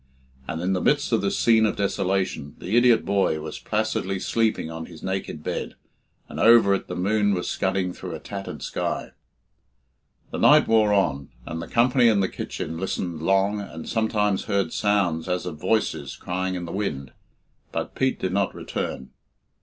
And in the midst of this scene of desolation the idiot boy was placidly sleeping on his naked bed, and over it the moon was scudding through a tattered sky. The night wore on, and the company in the kitchen listened long, and sometimes heard sounds as of voices crying in the wind, but Pete did not return.